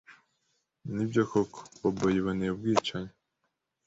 Nibyo koko Bobo yiboneye ubwicanyi?